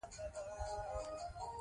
اورګاډي پټلۍ ارزانه ده.